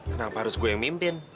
kenapa harus gue yang mimpin